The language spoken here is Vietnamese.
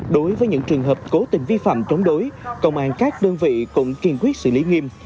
đối với những trường hợp cố tình vi phạm chống đối công an các đơn vị cũng kiên quyết xử lý nghiêm